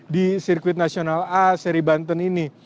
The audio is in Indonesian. di sirkuit nasional a seri banten ini